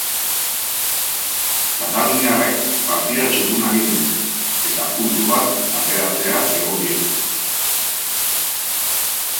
Kataluniarrek partida txukuna egin dute eta puntu bat ateratzear egon dira.